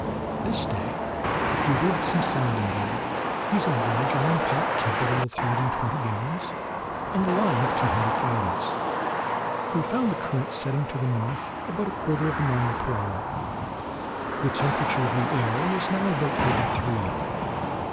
This day we rigged some sounding gear, using a large iron pot capable of holding twenty gallons, and a line of two hundred fathoms. We found the current setting to the north, about a quarter of a mile per hour. The temperature of the air was now about thirty three.